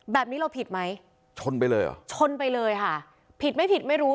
แบบนี้เราผิดไหมชนไปเลยเหรอชนไปเลยค่ะผิดไม่ผิดไม่รู้